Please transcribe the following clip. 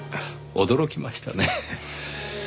驚きましたね。